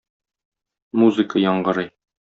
Музыка яңгырый.